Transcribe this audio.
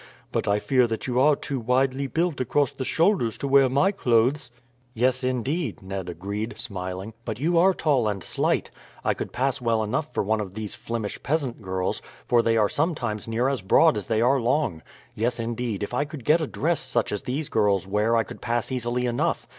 But I fear that you are far too widely built across the shoulders to wear my clothes." "Yes, indeed," Ned agreed, smiling; "but you are tall and slight. I could pass well enough for one of these Flemish peasant girls, for they are sometimes near as broad as they are long. Yes, indeed, if I could get a dress such as these girls wear I could pass easily enough.